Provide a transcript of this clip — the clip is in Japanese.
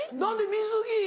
水着。